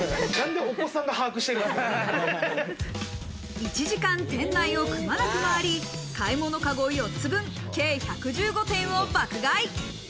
１時間、店内をくまなく回り、買い物かご４つ分、計１１５点を爆買い。